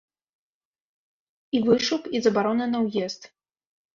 І вышук, і забарона на ўезд.